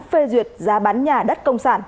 phê duyệt giá bán nhà đất công sản